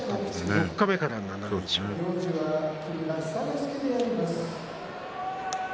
四日目から７連勝です。